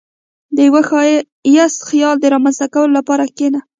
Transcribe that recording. • د یو ښایسته خیال د رامنځته کولو لپاره کښېنه.